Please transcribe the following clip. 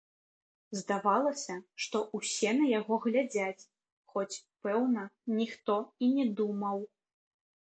Здавалася, што ўсе на яго глядзяць, хоць, пэўна, ніхто і не думаў.